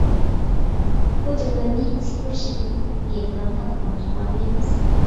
بۇ جەدۋەلنى سېكتور شەكىللىك دىياگراممىدا قانداق ئىپادىلەيمىز؟